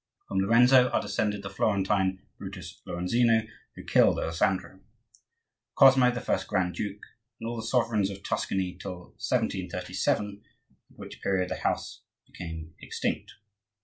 From Lorenzo are descended the Florentine Brutus Lorenzino, who killed Alessandro, Cosmo, the first grand duke, and all the sovereigns of Tuscany till 1737, at which period the house became extinct.